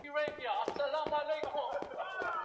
kuna umuhimu wa elimu ya viazi lishe kwa jamii